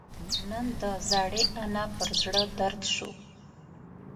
نن د زړې انا پر زړه دړد شو